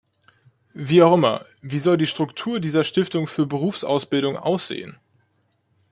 Wie auch immer, wie soll die Struktur dieser Stiftung für Berufsausbildung aussehen?